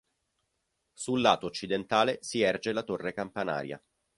Sul lato occidentale si erge la torre campanaria.